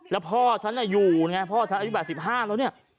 แล้วพ่อฉันอยู่ไงพ่อฉันอายุ๘๕แล้วเนี่ย